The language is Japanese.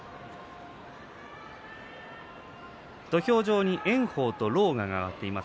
土俵上に炎鵬と狼雅が上がっています。